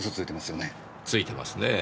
ついてますねぇ。